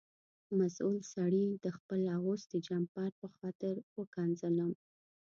مسؤل سړي د خپل اغوستي جمپر په خاطر وښکنځلم.